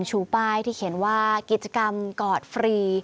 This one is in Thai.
ชูป้ายที่เขียนว่ากิจกรรมกอดฟรี